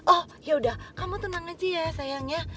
oh ya udah kamu tenang aja ya sayangnya